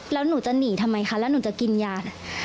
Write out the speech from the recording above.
แล้วหนูจะหนีทำไมคะแล้วหนูจะกินยา